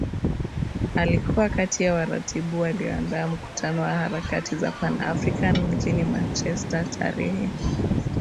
Alikuwa kati ya waratibu walioandaa mkutano wa harakati za PanAfrican mjini Manchester tarehe